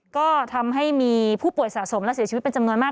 ก็ทำให้มีผู้ป่วยสะสมและเสียชีวิตเป็นจำนวนมาก